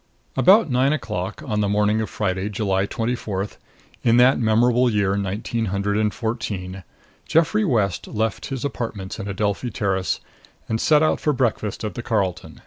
About nine o'clock on the morning of Friday, July twenty fourth, in that memorable year nineteen hundred and fourteen, Geoffrey West left his apartments in Adelphi Terrace and set out for breakfast at the Carlton.